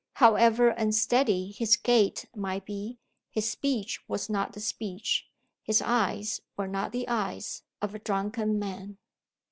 However unsteady his gait might be, his speech was not the speech, his eyes were not the eyes, of a drunken man.